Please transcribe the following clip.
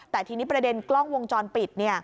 แต่ทีนี้ประเด็นกล้องวงจรปิด